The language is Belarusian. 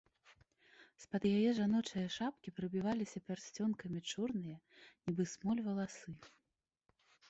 З-пад яе жаночае шапкі прабіваліся пярсцёнкамі чорныя, нібы смоль, валасы.